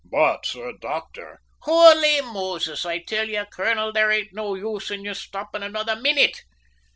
"But, sir doctor " "Houly Moses! I till you, colonel, there ain't no use in your stoppin' another minnit!"